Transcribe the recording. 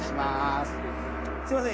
すみません